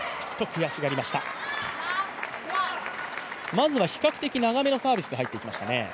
まずは比較的長めのサービスで入ってきましたね。